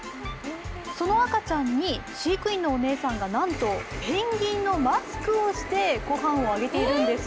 その赤ちゃんに飼育員のお姉さんがなんとペンギンのマスクをして御飯をあげているんです。